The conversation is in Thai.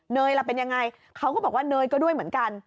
ยล่ะเป็นยังไงเขาก็บอกว่าเนยก็ด้วยเหมือนกัน